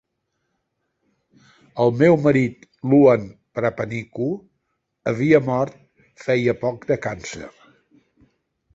El seu marit, Luan Prapaniku, havia mort feia poc de càncer.